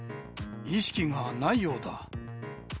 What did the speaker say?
意識がないようだ。